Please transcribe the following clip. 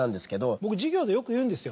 僕授業でよく言うんですよ